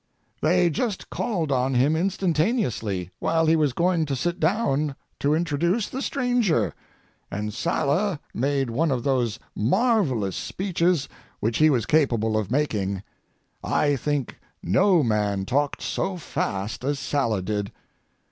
They just called on him instantaneously, while he was going to sit down, to introduce the stranger, and Sala, made one of those marvellous speeches which he was capable of making. I think no man talked so fast as Sala did.